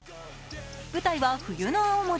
舞台は冬の青森。